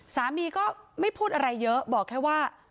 สามีก็ไม่พูดอะไรเยอะบอกแค่ว่า